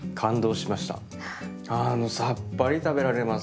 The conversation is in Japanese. あのさっぱり食べられます